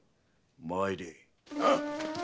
参れ。